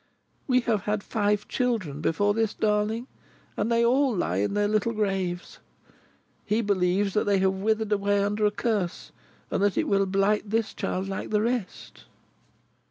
"We have had five children before this darling, and they all lie in their little graves. He believes that they have withered away under a curse, and that it will blight this child like the rest."